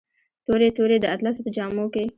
تورې، تورې د اطلسو په جامو کې